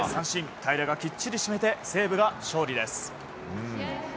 平良がきっちり締めて西武が勝利です。